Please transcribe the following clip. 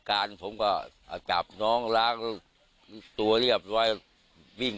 เขามีหมดให้หยุดคุ้มเดียวกัน